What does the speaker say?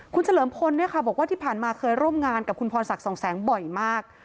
คุณเฉลิมพลบอกว่าที่ผ่านมาเคยร่วมงานกับคุณพรศักดิ์สองแสงบ่อยมาก